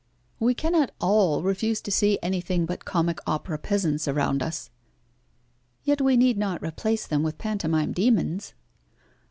We cannot all refuse to see anything but comic opera peasants around us." "Yet we need not replace them with pantomime demons."